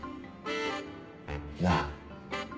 なあ？